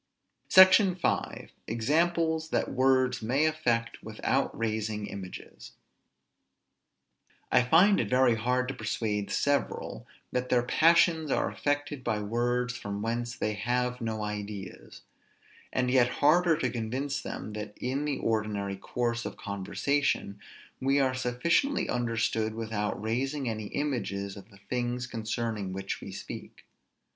SECTION V. EXAMPLES THAT WORDS MAY AFFECT WITHOUT RAISING IMAGES. I find it very hard to persuade several that their passions are affected by words from whence they have no ideas; and yet harder to convince them that in the ordinary course of conversation we are sufficiently understood without raising any images of the things concerning which we speak.